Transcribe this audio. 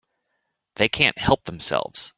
They can't help themselves.